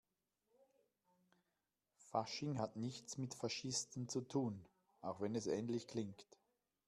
Fasching hat nichts mit Faschisten zu tun, auch wenn es ähnlich klingt.